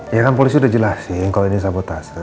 ya kan polisi udah jelasin kalau ini sabotase